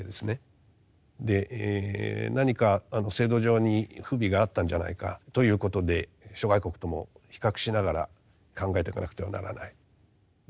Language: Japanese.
何か制度上に不備があったんじゃないかということで諸外国とも比較しながら考えていかなくてはならないまあ